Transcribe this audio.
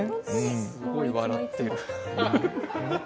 すごい笑ってる。